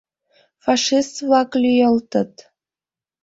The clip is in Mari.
Фашист-влак лӱйылтыт.